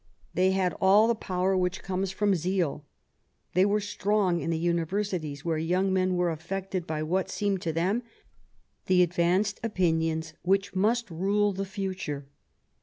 They had all the power which comes from zeal. They were strong in the Universities, where young men were affected by what seemed to them the advanced opinions which must rule the future.